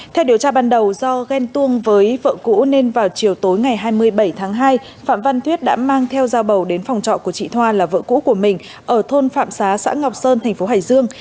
theo điều tra ban đầu do ghen tuông với vợ cũ nên vào chiều tối ngày hai mươi bảy tháng hai phạm văn thuyết đã mang theo dao bầu đến phòng trọ của chị thoa là vợ cũ của mình ở thôn phạm xá xã ngọc sơn thành phố hải dương